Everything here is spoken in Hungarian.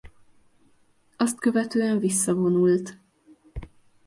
Azt követően visszavonult.